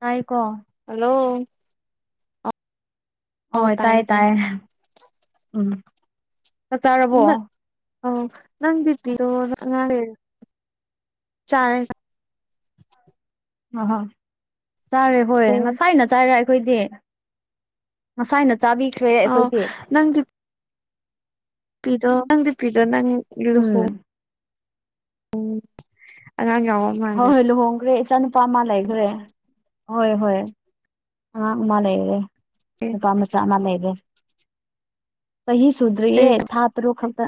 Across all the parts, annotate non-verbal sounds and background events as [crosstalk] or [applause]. ꯇꯥꯏꯀꯣ ꯍꯥꯜꯂꯣ ꯍꯣꯢ ꯇꯥꯏ ꯇꯥꯏꯌꯦ ꯎꯝ ꯆꯥꯛ ꯆꯥꯔꯕꯣ ꯑꯣ ꯅꯪ ꯗꯤꯄꯤꯂꯣꯗ ꯑꯉꯥꯡꯔꯦ ꯆꯥꯔꯦ ꯑꯍꯣꯏ ꯆꯥꯔꯦ ꯍꯣꯏ ꯑꯧ ꯉꯁꯥꯏꯅ ꯆꯥꯏꯔꯦ ꯑꯩꯈꯣꯏꯗꯤ ꯉꯁꯥꯏꯅ ꯆꯥꯕꯤꯈ꯭ꯔꯦ ꯑꯩꯈꯣꯏꯗꯤ ꯅꯪꯗꯤ ꯄꯤꯗꯣ ꯅꯪ ꯗꯤꯄꯤꯗꯣ ꯅꯪ ꯂꯨꯍꯣꯡ ꯎꯝ ꯎꯝ ꯑꯉꯥꯡ ꯌꯥꯎꯋꯣ ꯍꯣꯏ ꯍꯣꯏ ꯂꯨꯍꯣꯡꯒ꯭ꯔꯦ ꯏꯆꯥꯅꯨꯄꯥ ꯑꯃ ꯂꯩꯒ꯭ꯔꯦ ꯍꯣꯏ ꯍꯣꯏ ꯑꯉꯥꯡ ꯑꯃ ꯂꯩꯔꯦ ꯅꯨꯄꯥ ꯃꯆꯥ ꯑꯃ ꯂꯩꯔꯦ ꯆꯍꯤ ꯆꯍꯤ ꯁꯨꯗ꯭ꯔꯤꯌꯦ ꯊꯥ ꯇꯔꯨ ꯈꯛꯇ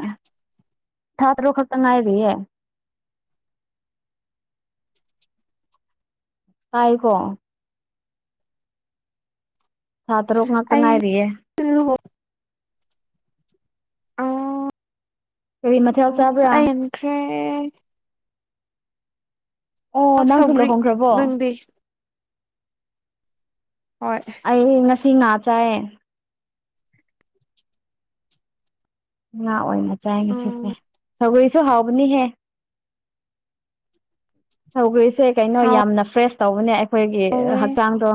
ꯊꯥ ꯇꯔꯨꯛ ꯈꯛꯇ ꯉꯥꯏꯔꯤꯌꯦ ꯇꯥꯏꯈꯣ ꯊꯥ ꯇꯔꯨꯛ ꯉꯛꯇ ꯉꯥꯏꯔꯤꯌꯦ [unintelligible] ꯂꯨꯍꯣ ꯑꯣ ꯀꯔꯤ ꯃꯊꯦꯜ ꯆꯥꯕ꯭ꯔꯥ ꯈ꯭ꯔꯦ ꯑꯣ ꯅꯪꯁꯨ ꯁꯧꯒ꯭ꯔꯤ ꯂꯨꯍꯣꯡꯈ꯭ꯔꯕꯣ ꯅꯪꯗꯤ ꯍꯣꯏ ꯑꯩ ꯉꯁꯤ ꯉꯥ ꯆꯥꯏꯌꯦ ꯉꯥ ꯑꯣꯏꯅ ꯆꯥꯏ ꯉꯁꯤ ꯁꯦ ꯎꯝ ꯁꯧꯒ꯭ꯔꯤꯁꯨ ꯍꯥꯎꯕꯅꯤꯍꯦ ꯁꯧꯒ꯭ꯔꯤ ꯁꯦ ꯀꯩꯅꯣ ꯌꯥꯝꯅ ꯐ꯭ꯔꯦꯁ ꯇꯧꯕꯅꯦ ꯑꯩꯈꯣꯏꯒꯤ ꯍꯥꯎꯋꯦ ꯍꯛꯆꯥꯡꯗꯣ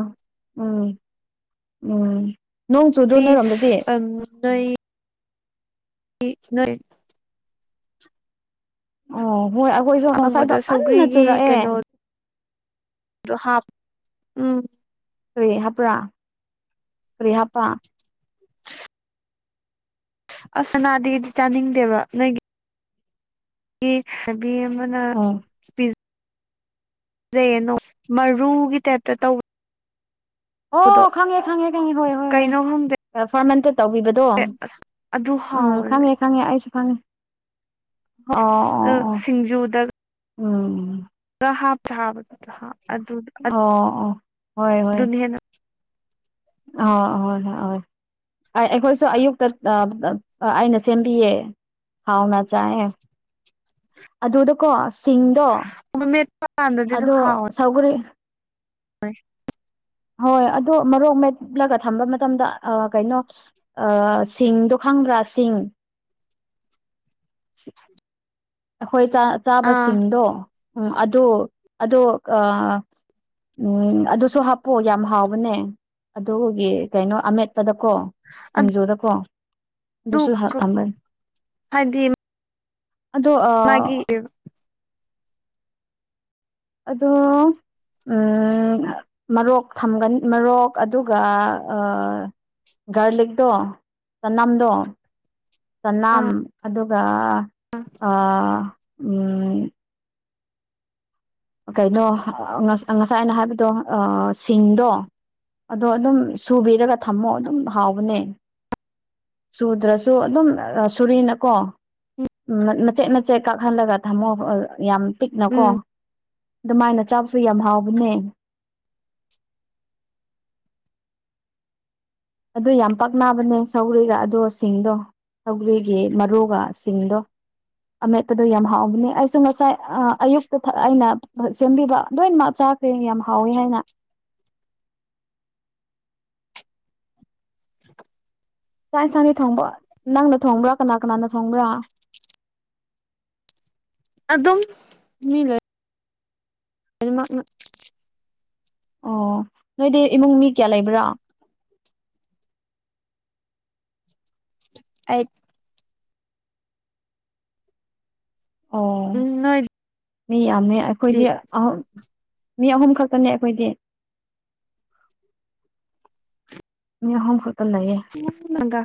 ꯎꯝ ꯎꯝ ꯅꯣꯡ ꯆꯨꯗ꯭ꯔꯣ ꯅꯣꯢꯔꯣꯝꯗꯗꯤ [unintelligible] ꯅꯣꯢ ꯢ ꯅꯣꯏ ꯑꯣ ꯍꯣꯏ ꯑꯈꯣꯏꯖꯨ ꯉꯁꯥꯏꯗꯣ ꯑꯍꯣꯡꯕꯗ ꯀꯟꯅ ꯁꯧꯒ꯭ꯔꯤꯒꯤ ꯆꯨꯔꯛꯑꯦ ꯑꯗꯨ ꯍꯥꯞ ꯎꯝ ꯀ꯭ꯔꯤ ꯍꯥꯞꯄ꯭ꯔꯥ ꯀ꯭ꯔꯤ ꯍꯥꯞꯄ ꯑꯁ ꯁꯅꯥꯗꯤ ꯑꯩꯗꯤ ꯆꯥꯅꯤꯡꯗꯦꯕ ꯅꯣꯏꯒꯤ ꯕꯤ ꯅꯕꯤ ꯑꯃꯅ ꯎꯝ ꯄꯤꯖ ꯄꯤꯖꯩꯌꯦ ꯅꯣꯡꯃ ꯃꯔꯨꯒꯤ ꯇꯥꯏꯞꯇ ꯇꯧꯕ ꯑꯣ ꯈꯪꯉꯦ ꯈꯪꯉꯦ ꯈꯪꯉꯦ ꯍꯣꯏ ꯍꯣꯏ ꯍꯣꯏ ꯀꯩꯅꯣ ꯈꯪꯗꯦ ꯑ ꯐꯔꯃꯦꯟꯇꯦꯠ ꯇꯧꯕꯤꯕ ꯗꯣ ꯑꯁ ꯑꯗꯨ ꯎꯝ ꯍꯥꯎꯋꯦꯕ ꯈꯪꯉꯦ ꯈꯪꯉꯦ ꯑꯩꯁꯨ ꯈꯪꯉꯦ ꯑꯣ ꯑꯣ ꯑꯣ ꯎꯝ ꯗ ꯍꯥꯞꯊꯥꯕ ꯇꯔꯍ ꯑꯗꯨ ꯑꯗ ꯑꯣ ꯑꯣ ꯍꯣꯏ ꯍꯣꯏ ꯍꯦꯟꯅ ꯑ ꯍꯣꯏ ꯍꯣꯏ ꯍꯣꯏ ꯑꯩ ꯑꯩꯈꯣꯏꯁꯨ ꯑꯌꯨꯛꯇ ꯑ ꯑꯩꯅ ꯁꯦꯝꯕꯤꯌꯦ ꯍꯥꯎꯅ ꯆꯥꯢꯍꯦ [inaudible] ꯑꯗꯨꯗꯀꯣ ꯁꯤꯡꯗꯣ ꯃꯦꯠꯄ ꯀꯥꯟꯗꯗꯤ ꯑꯗꯣ ꯁꯧꯒꯔꯤ ꯍꯣꯏ ꯍꯣꯏ ꯑꯗꯣ ꯃꯔꯣꯛ ꯃꯦꯠꯂꯒ ꯊꯝꯕ ꯃꯇꯝꯗ ꯑ ꯀꯩꯅꯣ ꯑꯥ ꯁꯤꯡ ꯗꯣ ꯈꯪꯕ꯭ꯔꯥ ꯁꯤꯡ? ꯑꯈꯣꯏ ꯆꯥ ꯑꯥ ꯆꯥꯕꯁꯤꯡꯗꯣ ꯑꯗꯨ ꯑꯗꯣ ꯑꯥ, ꯎꯝ ꯑꯗꯨꯁꯨ ꯍꯥꯞꯄꯣ ꯌꯥꯝ ꯍꯥꯎꯕꯅꯦ ꯑꯗꯨꯒꯤ ꯀꯩꯅꯣ ꯑꯃꯦꯠ ꯄꯗꯀꯣ ꯁꯤꯡꯖꯨꯗꯀꯣ, ꯑꯗꯨꯁꯨ [unintelligible] ꯊꯝꯕꯅꯤ ꯍꯥꯏꯗꯤ ꯑꯗꯨ ꯑꯥ, ꯃꯥꯒꯤ ꯑꯗꯣ, ꯎꯝ ꯃꯔꯣꯛ ꯊꯝꯒꯅꯤ ꯃꯔꯣꯛ ꯑꯗꯨꯒ ꯑꯥ ꯒꯥꯔꯂꯤꯛꯇꯣ ꯆꯅꯥꯝꯗꯣ, ꯆꯅꯥꯝ ꯑꯥ ꯑꯗꯨꯒ ꯑꯥ ꯎꯝ, ꯀꯩꯅꯣ ꯉꯁꯥꯏ ꯑꯩꯅ ꯍꯥꯏꯕꯗꯣ ꯑꯥ ꯁꯤꯡꯗꯣ꯫ ꯑꯗꯣ ꯑꯗꯨꯝ ꯁꯨꯕꯤꯔꯒ ꯊꯝꯃꯣ ꯑꯗꯨꯝ ꯍꯥꯎꯕꯅꯦ꯫ ꯆꯨꯗ꯭ꯔꯁꯨ ꯑꯗꯨꯝ ꯁꯣꯔꯤꯅꯀꯣ꯫ [unintelligible] ꯃꯆꯦꯠ ꯃꯆꯦꯠ ꯀꯥꯛꯍꯜꯂꯒ ꯊꯝꯃꯣ ꯌꯥꯝ ꯄꯤꯛꯅꯀꯣ꯫ ꯎꯝ ꯗꯨꯃꯥꯏꯅ ꯆꯥꯕꯁꯨ ꯌꯥꯝ ꯍꯥꯎꯕꯅꯦ꯫ ꯑꯗꯨ ꯌꯥꯝ ꯄꯥꯛꯅꯕꯅꯦ ꯁꯧꯒ꯭ꯔꯤꯒ ꯑꯗꯣ ꯁꯤꯡꯗꯣ꯫ ꯁꯧꯒ꯭ꯔꯤꯒꯤ ꯃꯔꯨꯒ ꯁꯤꯡꯗꯣ꯫ ꯑꯃꯦꯠꯄꯗꯣ ꯌꯥꯝ ꯍꯥꯎꯕꯅꯦ ꯑꯩꯁꯨ ꯉꯁꯥꯏ ꯑꯥ ꯑꯌꯨꯛꯇ ꯑꯩꯅ ꯁꯦꯝꯕꯤꯕ ꯂꯣꯏꯅꯃꯛ ꯆꯥꯛ ꯆꯦꯡ ꯌꯥꯝ ꯍꯥꯎꯋꯤ ꯍꯥꯏꯅ꯫ ꯆꯥꯛ ꯏꯪꯁꯥꯡꯗꯤ ꯊꯣꯡꯕ ꯅꯪꯅ ꯊꯣꯡꯕ꯭ꯔꯥ ꯀꯅꯥ ꯀꯅꯥꯅ ꯊꯣꯡꯕ꯭ꯔꯥ? ꯑꯗꯨꯝ ꯃꯤ ꯂꯩ꯫ ꯑꯅꯤꯃꯥꯛꯅ꯫ ꯑꯣ ꯅꯣꯏꯗꯤ ꯏꯃꯨꯡ ꯃꯤ ꯀꯌꯥ ꯂꯩꯕ꯭ꯔꯥ? ꯑꯩꯏꯠ꯫ ꯑꯣ ꯎꯝ ꯅꯣꯏ ꯃꯤ ꯌꯥꯝꯃꯦ ꯑꯩꯈꯣꯏꯗꯤ ꯑꯍꯨꯝ ꯃꯤ ꯑꯍꯨꯝ ꯈꯛꯇꯅꯦ ꯑꯈꯣꯏꯗꯤ꯫ ꯃꯤ ꯑꯍꯨꯝ ꯈꯛꯇ ꯂꯩꯌꯦ꯫ [unintelligible] ꯅꯪꯒꯥ꯫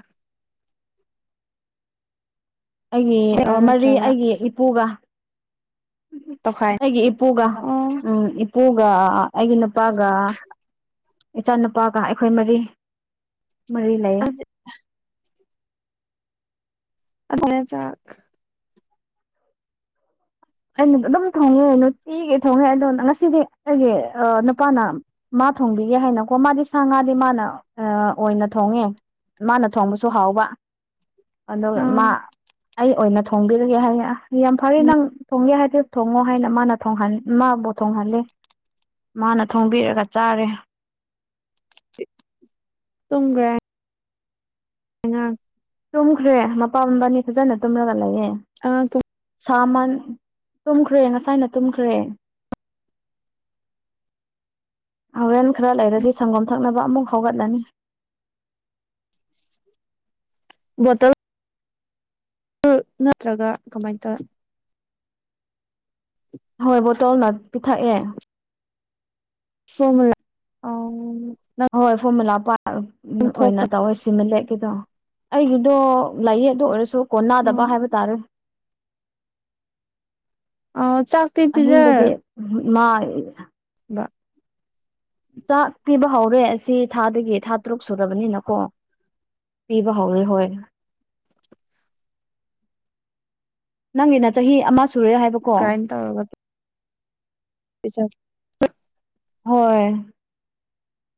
ꯑꯩꯒꯤ ꯑꯥ ꯃꯔꯤ ꯅꯠꯇ꯭ꯔꯒ ꯑꯩꯒꯤ ꯏ ꯄꯨꯒ ꯇꯣꯈꯥꯏ ꯑꯩꯒꯤ ꯏꯄꯨꯒ꯫ ꯑꯣ ꯎꯝ ꯏꯄꯨꯒ, ꯑꯩꯒꯤ ꯅꯨꯄꯥꯒ ꯏꯆꯥꯅꯨꯄꯥꯒ ꯑꯩꯈꯣꯏ ꯃꯔꯤ ꯃꯔꯤ ꯂꯩꯌꯦ꯫ [inaudible] ꯑꯅꯦ ꯆꯥꯛ ꯑꯩꯅ ꯑꯗꯨꯝ ꯊꯣꯡꯉꯦ ꯅꯨꯇꯤꯒꯤ ꯊꯣꯡꯉꯦ ꯑꯗꯣ ꯉꯁꯤꯗꯤ ꯑꯩꯒꯤ ꯅꯨꯄꯥꯅ ꯃꯥ ꯊꯣꯡꯕꯤꯒꯦ ꯍꯥꯏꯅꯀꯣ ꯃꯥꯗꯤ ꯁꯥ ꯉꯥꯗꯤ ꯃꯥꯅ ꯑꯣꯏꯅ ꯊꯣꯡꯉꯦ꯫ ꯃꯥꯅ ꯊꯣꯡꯕꯁꯨ ꯍꯥꯎꯕ꯫ ꯑꯗꯨꯒ ꯑꯥ ꯃꯥ ꯑꯩ ꯑꯣꯏꯅ ꯊꯣꯡꯕꯤꯔꯒꯦ ꯍꯥꯏꯌꯦ ꯌꯥꯝ ꯐꯔꯦ ꯎꯝ ꯅꯪ ꯊꯣꯡꯒꯦ ꯍꯥꯏꯗꯤ ꯊꯣꯡꯉꯣ ꯍꯥꯏꯅ ꯃꯥꯅ ꯃꯥꯕꯨ ꯊꯣꯡꯍꯜꯂꯦ꯫ ꯃꯥꯅ ꯊꯣꯡꯕꯤꯔꯒ ꯆꯥꯔꯦ꯫ ꯇꯨꯝꯒ꯭ꯔꯦ꯫ ꯑꯉꯥꯡ꯫ ꯇꯨꯝꯈ꯭ꯔꯦ ꯃꯄꯥ ꯃꯥꯕꯅꯤ ꯐꯖꯅ ꯇꯨꯝꯔꯒ ꯂꯩꯌꯦ꯫ ꯑꯉꯥꯡ ꯇꯨꯝ ꯁꯥꯃꯟ ꯇꯨꯝꯈ꯭ꯔꯦ ꯉꯁꯥꯏꯅ ꯇꯨꯝꯈ꯭ꯔꯦ ꯍꯧꯔꯦꯟ ꯈꯔ ꯂꯩꯔꯗꯤ ꯁꯪꯒꯣꯝ ꯊꯛꯅꯕ ꯑꯃꯨꯛ ꯍꯧꯒꯠꯂꯅꯤ ꯕꯣꯇꯜ ꯅꯠꯇ꯭ꯔꯒ ꯀꯃꯥꯏꯅ ꯇꯧꯑꯦ [inaudible] ꯍꯣꯏ ꯕꯣꯇꯜꯅ ꯄꯤꯊꯛꯑꯦ ꯁꯣꯝꯔ ꯑꯥꯎꯟ ꯍꯣꯏ ꯐꯣꯔꯃꯨꯂꯥ ꯄꯥ ꯊꯣꯛꯄ ꯑꯣꯏꯅ ꯇꯧꯋꯦ ꯁꯤꯃ ꯂꯦꯛꯀꯤꯗꯣ ꯑꯩꯒꯤꯗꯣ ꯂꯥꯏꯌꯦ ꯑꯗꯣ ꯑꯣꯏꯔꯁꯨ ꯀꯣꯟꯅꯗꯕ ꯍꯥꯏꯕ ꯇꯥꯔꯦ ꯑ ꯆꯥꯛꯇꯤ ꯑꯍꯤꯡꯗꯗꯤ ꯃꯥ ꯕ ꯆꯥꯛ ꯄꯤꯕ ꯍꯧꯔꯦ ꯑꯁꯤ ꯊꯥꯗꯒꯤ ꯊꯥ ꯇꯔꯨꯛ ꯁꯨꯔꯕꯅꯤꯅ ꯀꯣ ꯄꯤꯕ ꯍꯧꯔꯦ ꯍꯣꯏ ꯅꯪꯒꯤꯅ ꯆꯍꯤ ꯑꯃ ꯁꯨꯔꯦ ꯍꯥꯏꯕꯀꯣ [unintelligible] ꯄꯤꯖ ꯍꯣꯏ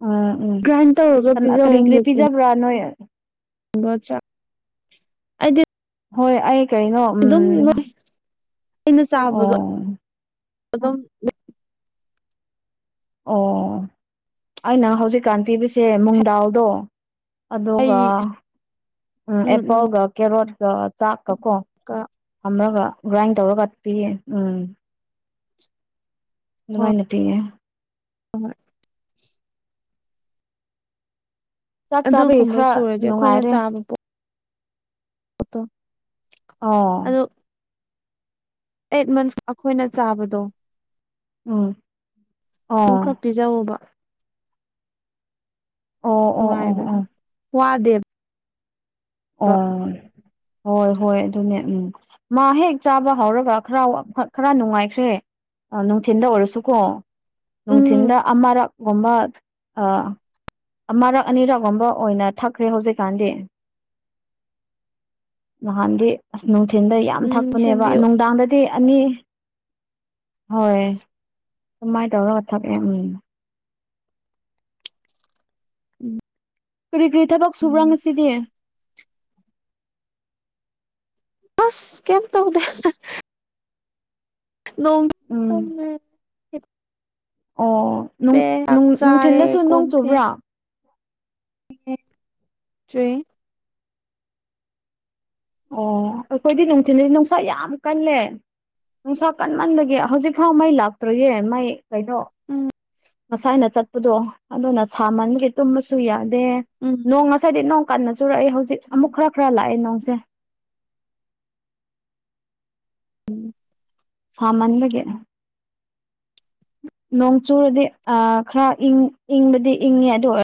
ꯎꯝ ꯒ꯭ꯔꯥꯏꯟ ꯇꯧꯔꯒ ꯎꯝ ꯄꯤꯖꯧ ꯀꯔꯤ ꯀꯔꯤ ꯄꯤꯖꯕ꯭ꯔꯥ ꯅꯣꯏ ꯗꯣꯆꯥ ꯑꯩꯗꯤ ꯍꯣꯏ ꯑꯩ ꯀꯩꯅꯣ ꯎꯝ ꯑꯗꯨꯝ ꯅꯣꯏ ꯑꯩꯅ ꯑꯣ ꯆꯥꯕꯗꯣ ꯑꯗꯨꯝ ꯑꯣ ꯑꯩꯅ ꯍꯧꯖꯤꯛꯀꯥꯟ ꯄꯤꯕꯁꯦ ꯃꯨꯡꯗꯥꯜꯗꯣ ꯑꯗꯨꯒ ꯑꯩ ꯎꯝ ꯑꯦꯄꯜꯒ ꯀꯦꯔꯣꯠꯀ ꯆꯥꯛꯀ ꯀꯣ ꯀ ꯊꯝꯔꯒ ꯒ꯭ꯔꯥꯏꯟ ꯇꯧꯔꯒ ꯄꯤꯌꯦ ꯎꯝ ꯑꯗꯨꯃꯥꯏꯅ ꯄꯤꯌꯦ ꯑꯍꯣꯏ ꯆꯥꯛ ꯆꯥꯕꯒꯤ ꯑꯗꯨꯒꯨꯝꯕ ꯈꯔ ꯁꯨꯔꯗꯤ ꯑꯩꯈꯣꯏꯅ ꯅꯨꯡꯉꯥꯏꯔꯦ ꯆꯥꯕ ꯄꯣꯠꯇꯣ ꯑꯣ ꯑꯗꯣ ꯑꯩꯠ ꯃꯟꯁ ꯑꯈꯣꯏꯅ ꯆꯥꯕꯗꯣ ꯎꯝ ꯑꯣ ꯑꯗꯨꯨꯝ ꯈꯔ ꯄꯤꯖꯧꯋꯣꯕ ꯑꯣ ꯑꯣ ꯑꯣ ꯅꯨꯡꯉꯥꯏꯕꯒꯤ ꯑꯣ ꯋꯥꯗꯦꯕ ꯑꯣ ꯍꯣꯏ ꯍꯣꯏ ꯑꯗꯨꯅꯦ ꯎꯝ ꯃꯥ ꯍꯦꯛ ꯆꯥꯕ ꯍꯧꯔꯒ ꯈꯔ ꯈꯔ ꯅꯨꯡꯉꯥꯏꯈ꯭ꯔꯦ ꯅꯨꯡꯊꯤꯟꯗ ꯑꯣꯏꯔꯁꯨꯀꯣ ꯎꯝ ꯅꯨꯡꯊꯤꯟꯗ ꯑꯃꯔꯛꯒꯨꯝꯕ ꯑ ꯑꯃꯔꯛ ꯑꯅꯤꯔꯛꯒꯨꯝꯕ ꯑꯣꯏꯅ ꯊꯛꯈ꯭ꯔꯦ ꯍꯧꯖꯤꯛꯀꯥꯟꯗꯤ ꯅꯍꯥꯟꯗꯤ ꯑꯁ ꯅꯨꯡꯊꯤꯟꯗ ꯌꯥꯝ ꯎꯝ ꯊꯛꯄꯅꯦꯕ ꯁꯦꯝꯕꯤꯌꯨ ꯅꯨꯡꯗꯥꯡꯗ ꯇꯦ ꯑꯅꯤ ꯍꯣꯏ ꯑꯗꯨꯃꯥꯏꯟ ꯇꯧꯔꯒ ꯊꯛꯑꯦ ꯀꯔꯤ ꯀꯔꯤ ꯊꯕꯛ ꯁꯨꯕ꯭ꯔꯥ ꯎꯝ ꯉꯁꯤꯗꯤ ꯑꯁ ꯀꯩꯝ ꯇꯧꯗꯦ ꯅꯣꯡ ꯎꯝ ꯇꯨꯝꯃꯦ ꯑꯣ ꯅꯨꯡ ꯍꯤꯞꯄꯦ ꯆꯥꯛ ꯅꯨꯡ ꯆꯥꯔꯦ ꯅꯨꯡꯊꯤꯟꯗꯁꯨ ꯅꯣꯡ ꯆꯨꯕ꯭ꯔꯥ ꯆꯨꯢ ꯑꯣ ꯑꯩꯈꯣꯏꯗꯤ ꯅꯨꯡꯊꯤꯜꯗꯤ ꯅꯨꯡꯁꯥ ꯌꯥꯝ ꯀꯜꯂꯦ ꯅꯨꯡꯁꯥ ꯀꯟꯃꯟꯕꯒꯤ ꯍꯧꯖꯤꯛꯐꯥꯎ ꯃꯩ ꯂꯥꯛꯇ꯭ꯔꯤꯌꯦ ꯃꯩ ꯀꯩꯅꯣ ꯎꯝ ꯉꯁꯥꯏꯅ ꯆꯠꯄꯗꯣ ꯑꯗꯨꯅ ꯁꯥꯃꯟꯒꯤ ꯇꯨꯝꯕꯁꯨ ꯌꯥꯗꯦ ꯎꯝ ꯅꯣꯡ ꯉꯁꯥꯏꯗꯤ ꯅꯣꯡ ꯀꯟꯅ ꯆꯨꯔꯛꯑꯦ ꯍꯧꯖꯤꯛ ꯑꯃꯨꯛ ꯈꯔ ꯈꯔ ꯂꯥꯛꯑꯦ ꯅꯣꯡꯁꯦ ꯎꯝ ꯁꯥꯃꯟꯕꯒꯤ ꯅꯣꯡ ꯆꯨꯔꯗꯤ ꯑꯥ ꯈꯔ ꯏꯪ ꯏꯪꯕꯗꯤ ꯏꯪꯉꯦ ꯑꯗꯨ ꯑꯣꯏ